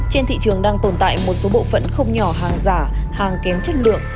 trên thị trường đang tồn tại một số bộ phận không nhỏ hàng giả hàng kém chất lượng